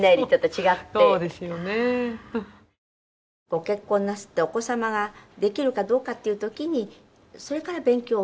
ご結婚なすってお子様ができるかどうかっていう時にそれから勉強。